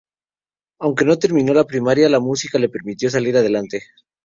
Aunque no terminó la Primaria, la música le permitió salir adelante.